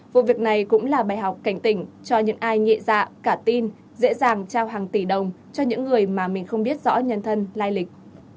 vụ việc này cũng là bài học cảnh tỉnh cho những ai nhẹ dạ cả tin dễ dàng trao hàng tỷ đồng cho những người mà mình không biết rõ nhân thân lai lịch